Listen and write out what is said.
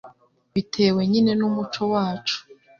Bitewe nyine n'umuco wacu